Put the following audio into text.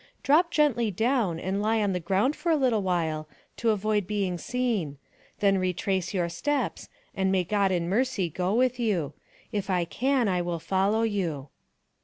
Drop gently down, and lie on the ground for a little while, to avoid being seen ; then retrace your steps, and may God in mercy go with you. If I can, I will follow you."